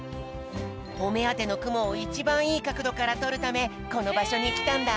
おめあてのくもをいちばんいいかくどからとるためこのばしょにきたんだ。